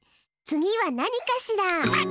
つぎはなにかしら？